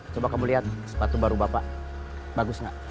coba kamu lihat sepatu baru bapak bagus nggak